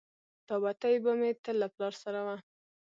دا بتۍ به مې تل له پلار سره وه.